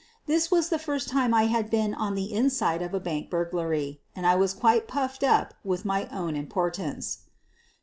This was the first time I had ever been on the "inside" of a bank burglary and I was quite purled up with my own importance.